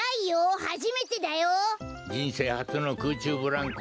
はじめてだよ。じんせいはつのくうちゅうブランコ。